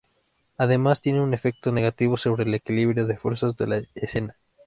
Además tiene un efecto negativo sobre el equilibrio de fuerzas de la escena.